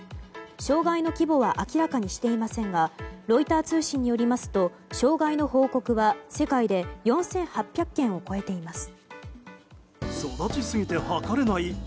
障害の規模は明らかにしていませんがロイター通信によりますと障害の報告は世界で４８００件を超えています。